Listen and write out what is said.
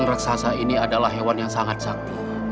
lili pelang raksasa ini adalah hewan yang sangat sakti